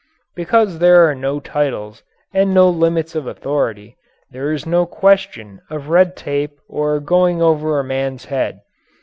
Because there are no titles and no limits of authority, there is no question of red tape or going over a man's head.